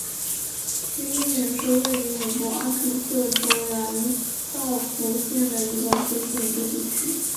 十一点是位于美国阿肯色州兰道夫县的一个非建制地区。